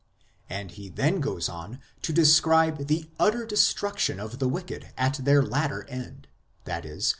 And he then goes on to describe the utter destruction of the wicked at their latter end, i.e.